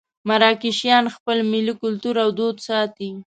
مراکشیان خپل ملي کولتور او دود ساتي.